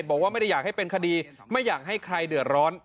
บอกว่าไม่ได้อยากให้เป็นคดีไม่อยากให้ใครเดือดร้อน